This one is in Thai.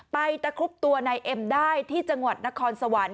ตะครุบตัวนายเอ็มได้ที่จังหวัดนครสวรรค์